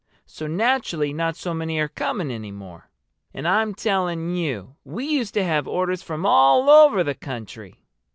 So naturally not so many are coming any more. And I'm telling you we used to have orders from all over the country!"